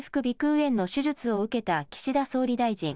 炎の手術を受けた岸田総理大臣。